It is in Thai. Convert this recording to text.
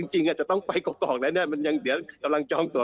จริงต้องไปเกาะแล้วยังเดี๋ยวกำลังจ้องตัว